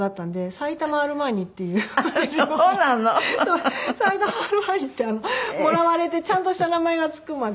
埼玉アルマーニってもらわれてちゃんとした名前が付くまで。